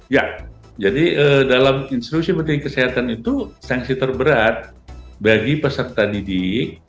ya jadi dalam instruksi menteri kesehatan itu sanksi terberat bagi peserta didik